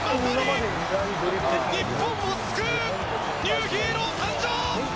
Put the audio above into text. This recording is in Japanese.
日本を救うニューヒーロー誕生！